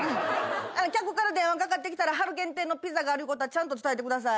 客から電話かかってきたら春限定のピザがあるいう事はちゃんと伝えてください。